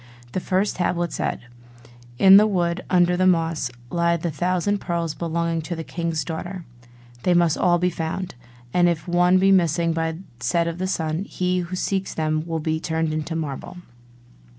The first tablet said: 'In the wood, under the moss, lie the thousand pearls belonging to the king's daughter; they must all be found: and if one be missing by set of sun, he who seeks them will be turned into marble.